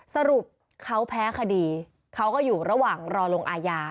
สรุปเขาแพ้คดีเขาก็อยู่ระหว่างรอลงอาญา